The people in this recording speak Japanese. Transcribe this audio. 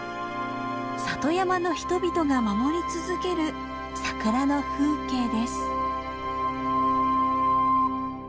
里山の人々が守り続けるサクラの風景です。